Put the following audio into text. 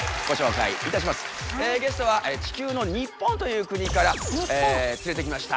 えゲストは地球の日本という国から連れてきました。